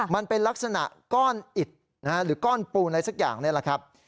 มันเป็นลักษณะก้อนอิดหรือก้อนปูนอะไรสักอย่างนี่แหละครับ